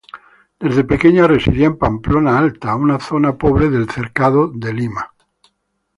Desde pequeña residía en Pamplona Alta, una zona pobre del cercado de Lima.